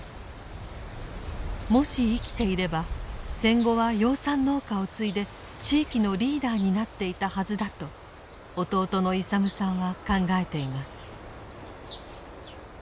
もし生きていれば戦後は養蚕農家を継いで地域のリーダーになっていたはずだと弟の勇さんは考えています。